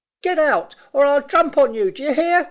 "Get out, or I'll jump on you d'ye hear?"